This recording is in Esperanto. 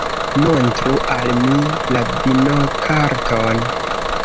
Montru al mi la vinokarton.